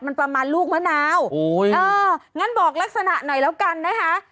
มันประมาณลูกมะนาวโอ้ยเอองั้นบอกลักษณะหน่อยแล้วกันนะคะ